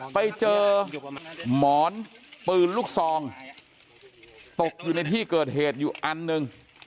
ไปเจอหมอนปืนลูกซองตกอยู่ในที่เกิดเหตุอยู่อันหนึ่ง